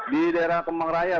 di daerah kemang raya